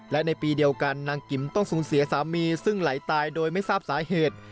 และในปีเดียวกันนางกิมต้องสูญเสียสามีซึ่งไหลตายโดยไม่ทราบสาเหตุ